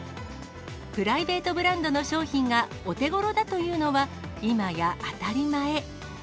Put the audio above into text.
プライベートブランドの商品がお手ごろだというのは、今や当たり前。